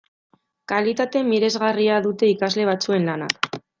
Kalitate miresgarria dute ikasle batzuen lanak.